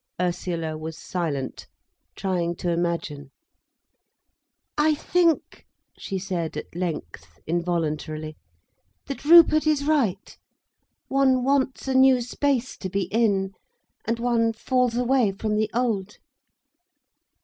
Ursula was silent, trying to imagine. "I think," she said at length, involuntarily, "that Rupert is right—one wants a new space to be in, and one falls away from the old."